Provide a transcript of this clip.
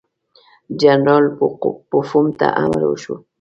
جنرال پوفم ته امر وشو.